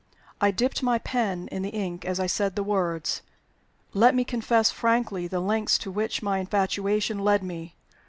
I dipped my pen in the ink as I said the words. Let me confess frankly the lengths to which my infatuation led me.